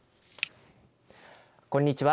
こんにちは。